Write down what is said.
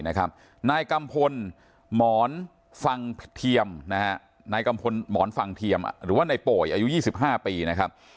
ไหนกำพลหมอนฟังเทียมหรือในโป่ยอายุ๒๕ปีนะครับ